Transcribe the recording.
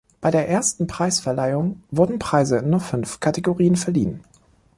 Bei der ersten Preisverleihung wurden Preise in nur fünf Kategorien verliehen.